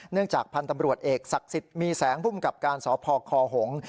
เนื่องจากพันธุ์ตำรวจเอกศักดิ์สิทธิ์มีแสงพุ่มกับการสพคหง